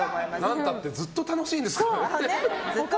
なんたってずっと楽しいですからね。